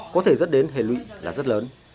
có thể dất đến hệ lụy là rất lớn